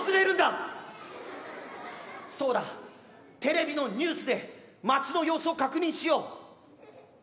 そうだテレビのニュースで街の様子を確認しよう。